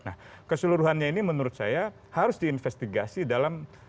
nah keseluruhannya ini menurut saya harus diinvestigasi dalam